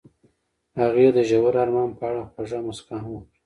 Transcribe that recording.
هغې د ژور آرمان په اړه خوږه موسکا هم وکړه.